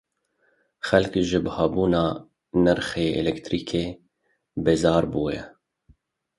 Xelk ji buhabûna nirxê elektrîkê bêzar bûye.